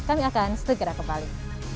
kami akan segera ke bali